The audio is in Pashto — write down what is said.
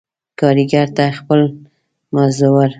کاريګر ته خپل مز ور